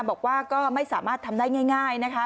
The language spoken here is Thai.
บอกว่าก็ไม่สามารถทำได้ง่ายนะคะ